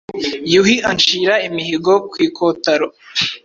Yuhi ancira imihigo.kwikotaro